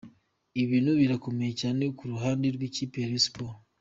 ' Ibintu birakomeye cyane ku ruhande rw' ikipe ya Rayon Sports.